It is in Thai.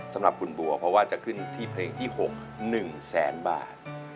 สำหรับคุณบัวเพราะว่าจะขึ้นที่เพลงที่๖๑แสนบาท